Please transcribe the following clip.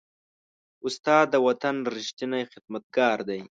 استاد د وطن ریښتینی خدمتګار دی.